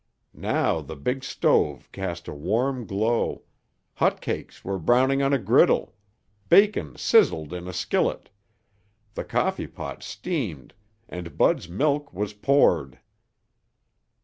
Now the big stove cast a warm glow, hotcakes were browning on a griddle, bacon sizzled in a skillet, the coffeepot steamed and Bud's milk was poured.